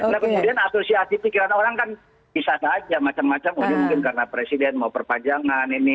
nah kemudian atur siasi pikiran orang kan bisa saja macam macam mungkin karena presiden mau perpanjangan ini